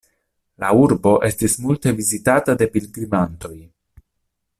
La urbo estis multe vizitata de pilgrimantoj.